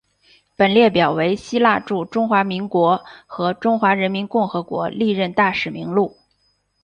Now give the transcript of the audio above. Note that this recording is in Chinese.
本列表为希腊驻中华民国和中华人民共和国历任大使名录。